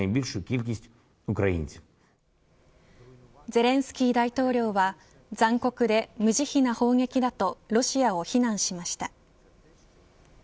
ゼレンスキー大統領は残酷で無慈悲な砲撃だとロシアを非難しました。